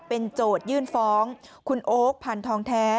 เป็นโจทยื่นฟ้องคุณโอ๊คพันธองแท้